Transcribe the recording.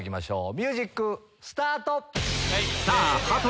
ミュージックスタート！